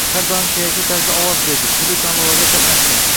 har doim kerakli tarzda ovoz berdi, turli tanlovlarda qatnashdi